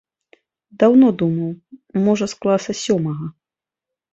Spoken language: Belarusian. Даўно думаў, можа з класа сёмага.